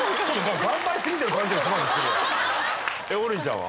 王林ちゃんは？